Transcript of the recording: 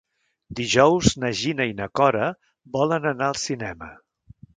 Dijous na Gina i na Cora volen anar al cinema.